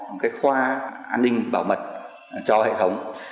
một cái khoa an ninh bảo mật cho hệ thống